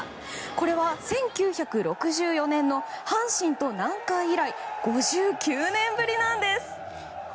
これは１９６４年の阪神と南海以来５９年ぶりなんです。